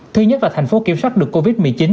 thứ nhất là thành phố kiểm soát được covid một mươi chín